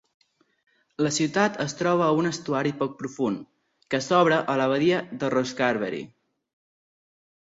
La ciutat es troba a un estuari poc profund, que s'obre a la badia de Rosscarbery.